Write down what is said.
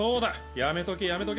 ・やめとけやめとけ。